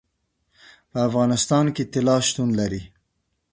په افغانستان کې طلا شتون لري.